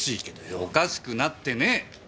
おかしくなってねえ！